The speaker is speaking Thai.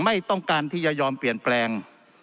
ไม่ต้องการที่จะยอมเปลี่ยนแปลง